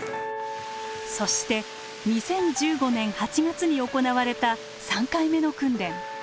そして２０１５年８月に行われた３回目の訓練。